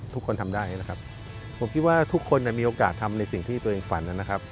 ทำได้นะครับผมคิดว่าทุกคนมีโอกาสทำในสิ่งที่ตัวเองฝันนะครับ